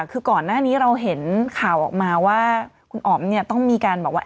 คือก่อนหน้านี้เราเห็นข่าวออกมาว่าคุณอ๋อมเนี่ยต้องมีการบอกว่า